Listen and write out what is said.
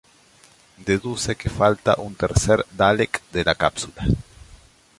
Deduce que falta un tercer Dalek de la cápsula.